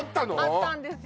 あったんですよ